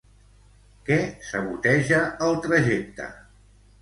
Què saboteja el trajecte?